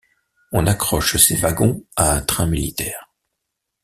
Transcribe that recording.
On accroche ses wagons à un train militaire.